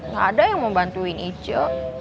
gak ada yang mau bantuin ica